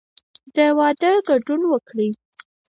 د واده ګډون وکړئ